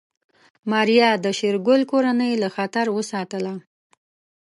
ماريا د شېرګل کورنۍ له خطر وساتله.